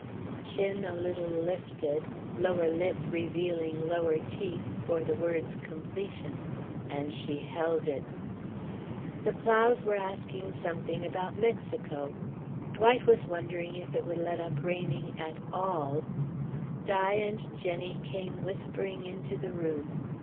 chin a little lifted, lower lip revealing lower teeth for the word's completion; and she held it. The Plows were asking something about Mexico. Dwight was wondering if it would let up raining at all. Di and Jenny came whispering into the room.